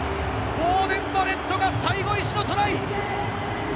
ボーデン・バレットが最後、意地のトライ！